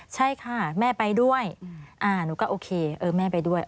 ใช่ค่ะแม่ไปด้วยหนูก็โอเคเออแม่ไปด้วย